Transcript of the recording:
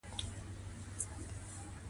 د خلکو ښېګړه وکړي ، پۀ خپل حال شکر ادا کړي